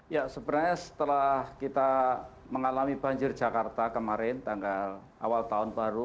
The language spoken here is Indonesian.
ya sebenarnya setelah kita mengalami banjir jakarta kemarin tanggal awal tahun baru